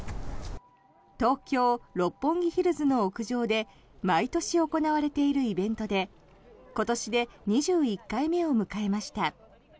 東京・六本木ヒルズの屋上で毎年行われているイベントで今年で２１回目を迎えました。